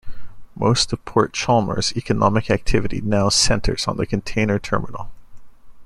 Most of Port Chalmers' economic activity now centres on the container terminal.